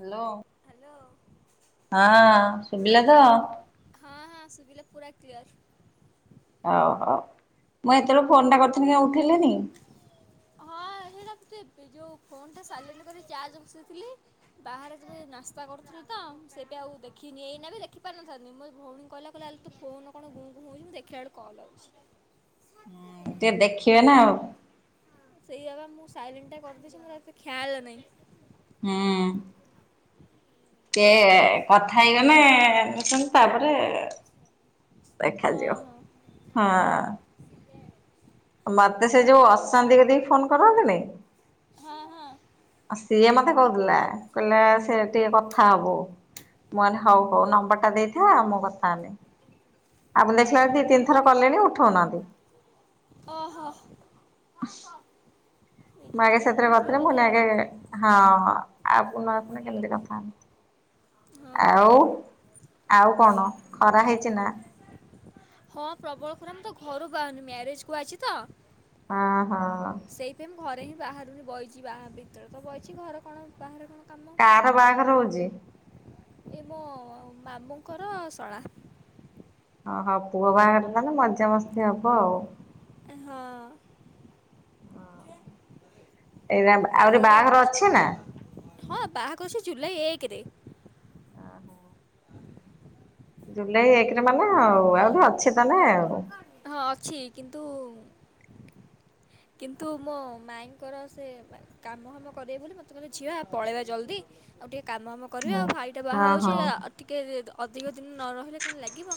Hello hello. ହଁ ସୁବିଲା ତ? ହଁ ହଁ ସୁବିଲା ପୁରା କ୍ଲିୟର। ହଉ ହଉ ମୁଁ ଏତବେଳୁ ଫୋନ୍ ଟା କରୁଥୁନି କାଇଁ ଉଠେଇଲେନି? ହଁ ହେଇଟା [unintelligible] ଯୋଉ ଫୋନ୍ ଟା ସାଇଲେନ୍ଟ କରିକି ଚାର୍ଜ ବସେଇଥିଲି। ବାହାରେ ଯେବେ ନାସ୍ତା କରୁଥୁଲୁ ତ ସେବେ ଆଉ ଦେଖିନି ଏଇନା ବି ଦେଖି ପାରିନଥାନ୍ତିି ମୋ ଭଉଣୀ କଇଲା କଇଲ ଅଲତୁ ଫୋନ କଣ ଗୁଁ ଗୁଁ ହଉଚି ମୁଁ ଦେଖିଲା ବେଳୁ କଲ ଆଉ ସି। ହୁଁ ଟିକେ ଦେଖିବେ ନା ଆଉ। ସେଇଆ ବା ମୁଁ ସାଇଲେନ୍ ଟା କରିଦେଇଚି ମୋର ଆଉ ଏତେ ଖିଆଲ ନାଇଁ। ହୁଁ। କେ କଥା ହେଇଗନେ [unintelligible] ତାପରେ ହଁ ଦେଖାଯିବ ହଁ। ହଁ। ମତେ ସେ ଆଉ ଯୋଉ କଣ କରୁଛ? ଅସାନ୍ତି ବୋଲି ଫୋନ କରନ୍ତିନି ହଁ ହଁ। ଆଉ ସିଏ ମତେ କହୁଥିଲା କହିଲେ ସେ ଟିକେ କଥା ହବ ମୁଁ ହଉ ହଉ ନମ୍ବର ଟା ଦେଇଥାଉ ମୁଁ କଥା ହେଲେ ଆପଣ ଦେଖିଲା ଓହୋ। ବେଳେ ଦି ତିନି ଥର କଲେଣି ଉଠଉନାହାନ୍ତି। ଓହୋ। ମୁଁ ଆଗେ ବିଜିଥିବେ ସେଥିରେ କଣ ଥିବେ କଥିଲ ବୋଧେ ମୁଁନ ଆଉ ଆଗ ହଁ ଆଉ ପୁଣ ଆସିଲ କେମିତି କଥା ହେନ୍ତି ହଁ। ଆଉ ଆଉ କଣ ଖରା ହେଇଛି ନା? ହଁ ପ୍ରବଳ ଖରା ମୁ ତ ଘରୁ ବା ମ୍ୟାରେଜ କୁ ଅଛି ତ ହଁ ହଁ। ସେ ଏ ମୁଁ ଘରେ ହିଁ ବାହାରୁନି ବଇଛି ବାହା ଭିତରେ ତ ବଇଛି ଘର କଣ ବାହାରେ କଣ? କାମ କାହାର ବାହାଘର ହଉଛି? ଏ ମୋ ମାମୁଁଙ୍କର ଆଉ ଶଳା। ଓ ହଁ ପୁଅ ବାହାଘର ନହେଲେ ମଜାମସ୍ତି ହବ ଆଉ ହଁ। ହଁ ଏଇନା ଆହୁରି ବାହାଘର ଅଛି ନା? ହଁ ବାହାକଷି ଜୁଲାଇ ଏକରେ। ହ ହୋ। ଜୁଲାଇ ଏକରେ ମାନେ ଆଉ ଆହୁରି ଅଛି ତାନେ ଆଉ। ହଁ ଅଛି କିନ୍ତୁ କିନ୍ତୁ ମୋ ମାଇଙ୍କର ସେ କାମ ଫାମ କରିବେ ବୋଲି ମତେ କିଲେ ଝିଅ ପଳେଇବା ଜଲ୍ଦି ଆଉ ଟିକେ କାମ ଆମ କରିବେ ହୁଁ। ଆଉ ଫାଇଟା ବାହା ହଁ ହଉଛି ହଁ। ଆଉ ଟିକେ ଅଧିକ ଦିନ ନ ରହିଲେ କଣ ଲାଗିବ।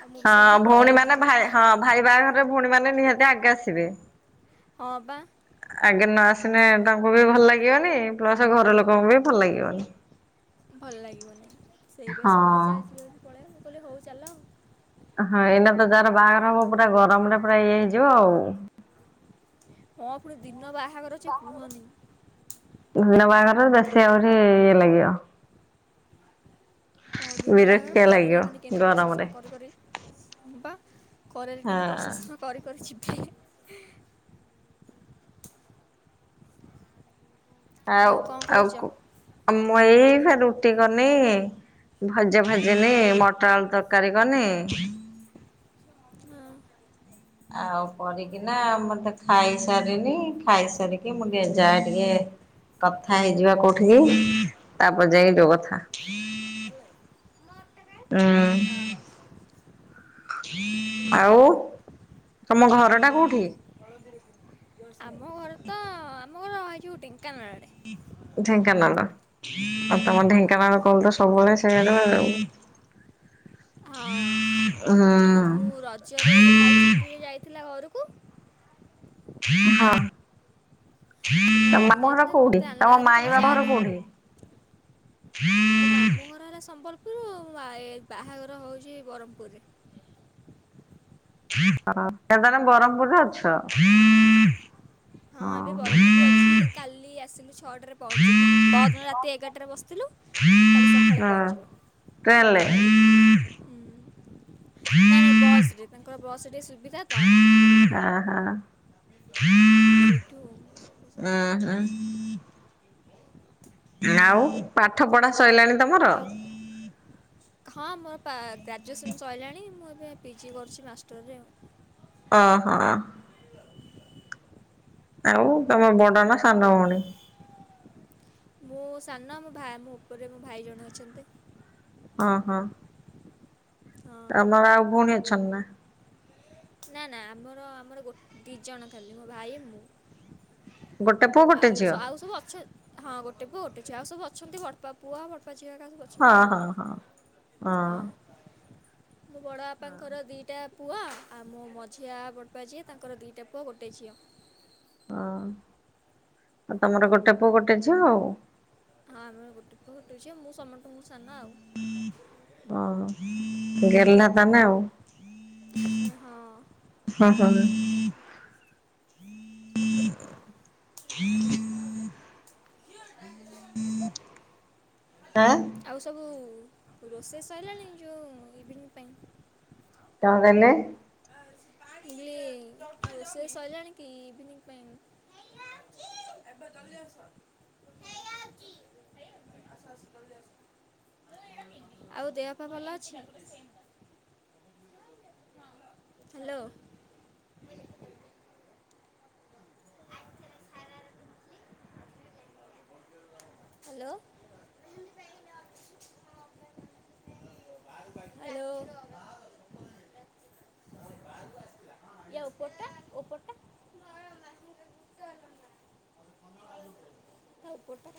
ଆଉ ମୁଁ ବି ହଁ ସେଇଠି ପଳେଇ ଭଉଣୀ ଆଇଲି ମାନେ ତାଙ୍କ ଭା ହଁ ସହିତ ଭାଇ ବାହାଘରରେ ଭଉଣୀ ମାନେ ନିହାତି ଆଗେ ଆସିବେ। ହଁ ବା। ଆଗେ ନ ଆସିଲେ ତାଙ୍କୁ ବି ଭଲ ଲାଗିବନି ପ୍ଲସ ଘର ଲୋକଙ୍କୁ ବି ଭଲ ଲାଗିବନି। ଭଲ ଲାଗିବନି ସେଇବେ ହଁ। ସେ କହିଲେ ଚାଆ ଯିବା ପଳେଇବା ମୁଁ କହିଲି ହଉ ଚାଲ ଆଉ। ହଁ ଏଇନା ତ ଯାହାର ବାହାଘର ହବ ପୁରା ଗରମ ରେ ପୁରା ଇଏ ହେଇଯିବ ଆଉ। ହଁ ପୁଣି ଦିନ ବାହାଘର ଅଛି କୁହନି। ଦିନ ବାହାଘର ବେଶୀ ଆହୁରି ଇଏ ଲାଗିବ। ହଁ ଦିନ ବାହାଘର ବିରକ୍ତିଆ ଖରାରେ ଲାଗିବ ଏମାନେ କେମିତି ଗରମରେ। ପ୍ରଶାସନ କରି କରି ବା ଖରାରେ ହଁ କେମିତି ପ୍ରଶେସନ କରି କରି ଯିବେ ହେଁ। ଆଉ କ'ଣ କରୁଛ ଆଉକୁ ମୁଁ ଏଇନା ରୁଟି କନି। ଭଜା ଭାଜିନି ମଟର ଆଳୁ ତରକାରୀ କନି। ହଁ। ଆଉ କରିକିନା ମତେ ଖାଇସାରିନି ଖାଇସାରିକି ମୁଁ ଟିକେ ଯାଏ ଟିକେ କଥା ହେଇଯିବା କୋଉଠିକି ତାପରେ ଯାଇ ଯୋଉ କଥା। ଉଁ ଆଃ ହାଁ! ଆଉ ତମ ଘରଟା କୋଉଠି? ଅଳଦେଇପୁର। ଆମ ଘର ତ ଆମ ଘର ଏ ଯଉ ଢ଼େଙ୍କାନାଳ ଆଡ଼େ। ଢେଙ୍କାନାଲ ଆଉ ତମର ହଁ ଢେଙ୍କାନାଳ କହୁ ତ ସବୁବେଳେ ସେଆଡୁ ହଁ ତ ମୁଁ ହୁଁ ରଜରେ ମୋ ଭାଇ ଛୁଟିରେ ଯାଇଥିଲା ଘରକୁ ହଁ। ତ ତମ ଘରକୁ ମାମୁ ଘର ଯାଇଥିଲା ତ କୋଉଠି ମୋତେ ଆଣିଲା ତମ ଭାରି ମାଇ କହିଲା ବାପ ଘର ଚାଲେ କୋଉଠି? ମୋ ମାମୁଁ ଘରହେଲା ସମ୍ବଲ ପୁର ଆ ଏ ବାହାଘର ହଉଛି ବରମପୁରରେ। ହଁ କେ ତାର ବ୍ରହ୍ମପୁରରେ ଅଛ ହଁ। ହଁ ଏବେ ବରମ୍ ପୁରେ ଅଛି କାଲି ଆସିଲୁ ଛଅଟାରେ ପହଞ୍ଚିଲୁ ପଦିନ ରା ତି ଏଗାଟାରେ ବସିତିଲୁ କାଲି ସଖାଳେ ପହଞ୍ଚିଲୁ। [unintelligible] ଳେ [inaudible] ହୁଁ ନାଇଁ ନାଇଁ ବସ୍ ରେ ତାଙ୍କର ବସ୍ ରେ ଟିକେ ସୁବିଧା ତ। [inaudible] ଆ ହା। ସେଠୁ [unintelligible] ଆଁ ହଁ [inaudible] ଆଉ ପାଠ ପଢା ସଇଲାଣି ତମର? ଆଉ୍। ହଁ ମୋରପା ଗ୍ରାଜୁଏସନ୍ ସଇଲାଣି ମୁଁ ଏବେ ପିଜି କରୁଚି ମାଷ୍ଟରରେ ଆଉ। ଅ ହ। ଆଉ ତମ ବଡ ନା ସାନ ଭଉଣୀ? ମୁଁ ସାନ ମୋ ଭା ମୋ ଉପରେ ମୋ ଭାଇ ଜଣେ ଅଛନ୍ତି। ଅଁ ହଁ। ଅଁ ତମର ଆଉ ଭଉଣୀ ଅଛନି ନା? ନା ନା ଆମର ଆମର ଗୋ ଦି ଜଣ ଖାଲି ମୋ ଭାଇ, ମୁଁ। ଗୋଟେ ପୁଅ ଗୋଟେ ଆଉ ସ ଝିଅ ଆଉ ସବୁ ଅଛ ହଁ ଗୋଟେ ପୁଅ ଗୋଟେ ଝିଅ ଆଉ ସବୁ ଅଛନ୍ତି ବଡ଼ପା ପୁଅ ବଡ଼ପା ଝିଅ ଏକା ସବୁ ଅ ହଁ ଛନ୍ତି ଆଉ ହଁ ହଁ ହଁ ମୋ ବଡ ଆପାଙ୍କର ଦିଟା ପୁଅ ଆଉ ମୋ ମଝିଆ ବଡ଼ପା ଯିଏ ତାଙ୍କର ଦିଟା ପୁଅ ଗୋଟେ ଝିଅ। ଅଁ ତମର ଗୋଟେ ପୁଅ ଗୋଟେ ଝିଅ ଆଉ। ହଁ ଆମର ଗୋଟେ ପୁଅ ଗୋଟେ ଝିଅ ମୁଁ ସମଟଙ୍କୁ ସାନ ଆଉ। ଓହୋ ଗେଲ୍ହା ତମେ ଆଉ? ହଁ ହଁ [inaudible] ଆ। ଆଉ ସବୁ ରୋଷେଇ ସଇଲାଣି ଯୋଉ ଇଭିନିଂ ପାଇଁ? ତଁ ତଇଲେ? [inaudible] ରୋଷେଇ ସଇଲାଣି କି ଇଭିନିଂ ପାଇଁ? ଏପା ଜଲ୍ଦି ଆସ ଆଉ ଦେଅ ପା ଭଲ ଅଛି? ହାଲୋ। Hello hello. ୟା ଓପର ଟା ଓପଟା। ତା ଓପଟା।